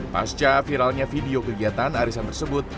pasca viralnya video kegiatan arisan tersebut